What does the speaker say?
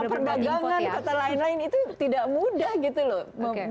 perdagangan kota lain lain itu tidak mudah gitu loh